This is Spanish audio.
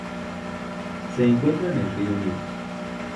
Se encuentra en el rio Nilo